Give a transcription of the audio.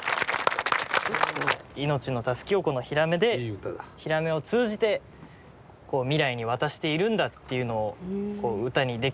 命のタスキをこのヒラメでヒラメを通じて未来に渡しているんだっていうのを歌にできたらなと思って。